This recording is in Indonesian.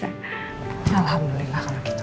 alhamdulillah kalau kita